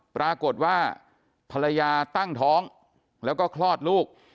ปรากฏว่าภรรยาตั้งท้องแล้วก็คลอดลูก